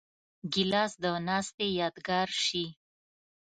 ګیلاس د ناستې یادګار شي.